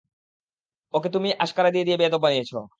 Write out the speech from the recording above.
ওকে তুমিই আশকারা দিয়ে দিয়ে বেয়াদব বানিয়েছ!